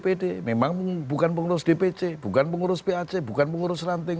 dpd memang bukan pengurus dpc bukan pengurus pac bukan pengurus ranting